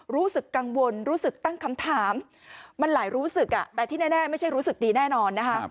รู้สึกกังวลรู้สึกตั้งคำถามมันหลายรู้สึกแต่ที่แน่ไม่ใช่รู้สึกดีแน่นอนนะคะ